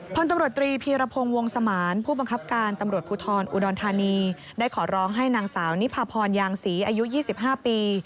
พลตำรวจตรีพีรพงศ์วงสมานผู้บังคับการตำรวจภูทรอุดรธานีได้ขอร้องให้นางสาวนิพาพรยางศรีอายุ๒๕ปี